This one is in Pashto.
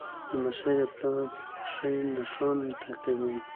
لمسی د پلار پښې نښان تعقیبوي.